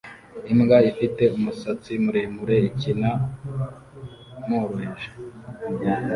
Imbwa ifite umusatsi muremure ikina noroheje